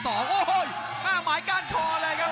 โอ้โหหมายก้านคอเลยครับ